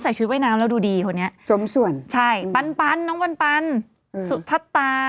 นี่วาวาอีกคนนึงวาวา